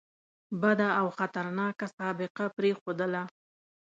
بده او خطرناکه سابقه پرېښودله.